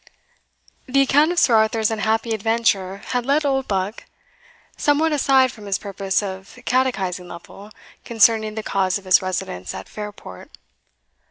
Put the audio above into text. The account of Sir Arthur's unhappy adventure had led Oldbuck somewhat aside from his purpose of catechising Lovel concerning the cause of his residence at Fairport.